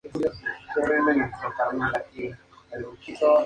Simplemente, llegan a ello.